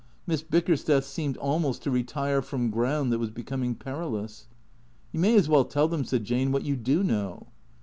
Miss Bickersteth seemed almost to retire from ground that was becoming perilous. " You may as well tell them/' said Jane, " what you do know."